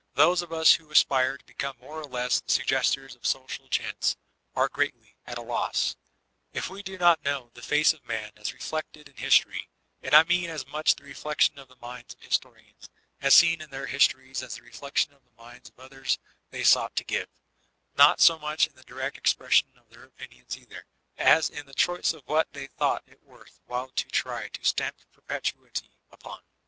Those of ns who aspire to be more or less suggesters of social diange, are greatly at a loss, if we do not know the face of Man Literature the Mirror of Man 371 as reflected in history ; and I mean as much the reflection of the minds of historians as seen in their histories as the reflection of the minds of others they sought to give ; not so much in the direct expression of their opinions either, as in the choice of what they thought it worth while to try to stamp perpetuity upon.